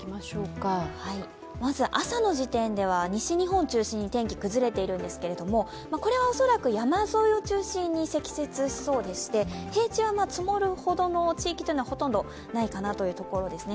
まず、朝の時点では西日本を中心に天気が崩れているんですけども、これは恐らく山沿いを中心に積雪しそうでして平地は積もるほどの地域というのはほとんどないかなというところですね。